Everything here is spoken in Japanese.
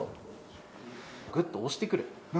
ぐっと押してくる。